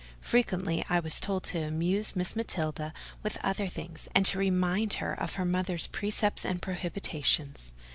Frequently, I was told to amuse Miss Matilda with other things, and to remind her of her mother's precepts and prohibitions.